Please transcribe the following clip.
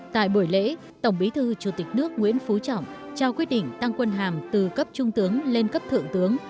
tại buổi lễ tổng bí thư chủ tịch nước nguyễn phú trọng trao quyết định thăng quân hàm từ cấp trung tướng lên cấp thượng tướng